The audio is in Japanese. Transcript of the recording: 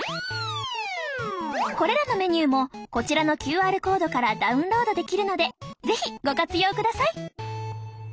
これらのメニューもこちらのＱＲコードからダウンロードできるので是非ご活用ください